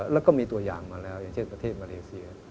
แล้วก็มีตัวอย่างมาแล้วอย่างเช่นประเทศมาเลเซีย